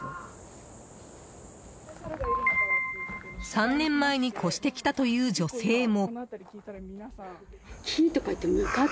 ３年前に越してきたという女性も。